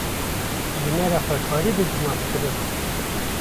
ji me re xwe karî bidî naskirin